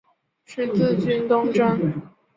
十字军东征。